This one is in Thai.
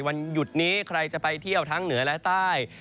วันหยุดนี้ใครจะไปเที่ยวทั้งเหนือและใต้